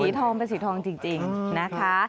ทองเป็นสีทองจริงนะคะ